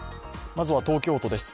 まずは、東京都です。